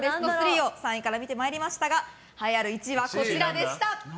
ベスト３を３位から見てまいりましたが栄えある１位はこちら。